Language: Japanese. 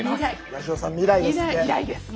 八代さん未来ですよ。